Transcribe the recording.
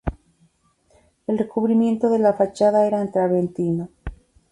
El recubrimiento de la fachada era en travertino.